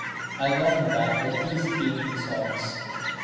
I won him back with these Evening Songs.